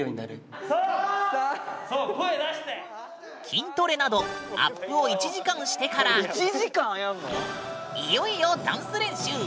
筋トレなどアップを１時間してからいよいよダンス練習。